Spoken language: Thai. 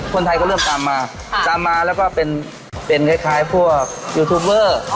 คนไทยก็เริ่มตามมาตามมาแล้วก็เป็นคล้ายพวกยูทูบเบอร์